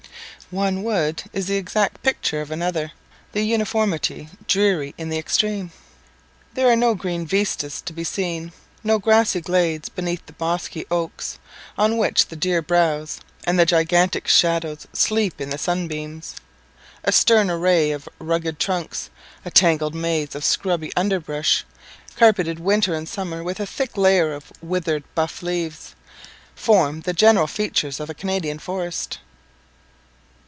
One wood is the exact picture of another; the uniformity dreary in the extreme. There are no green vistas to be seen; no grassy glades beneath the bosky oaks, on which the deer browse, and the gigantic shadows sleep in the sunbeams. A stern array of rugged trunks, a tangled maze of scrubby underbrush, carpetted winter and summer with a thick layer of withered buff leaves, form the general features of a Canadian forest.